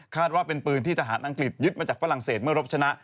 ว่าเป็นปืนที่ทหารอังกฤษยึดมาจากฝรั่งเศสเมื่อรบชนะ